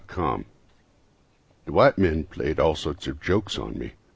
Shack Dye The white men played all sorts of jokes on me.